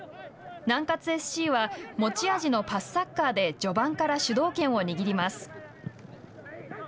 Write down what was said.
南葛ＳＣは持ち味のパスサッカーで序盤から主導権を握ります。